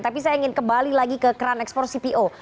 tapi saya ingin kembali lagi ke kran ekspor cpo